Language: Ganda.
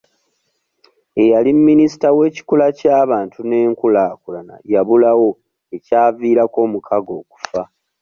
Eyali minisita w'ekikula ky'abantu n'enkulaakulana yabulawo ekyaviirako omukago okufa.